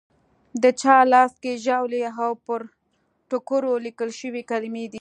د چا لاس کې ژاولي او پر ټوکرو لیکل شوې کلیمې دي.